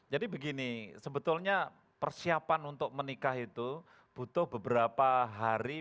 jadi begini sebetulnya persiapan untuk menikah itu butuh beberapa hari